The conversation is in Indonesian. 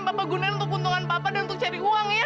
sampai jumpa di video selanjutnya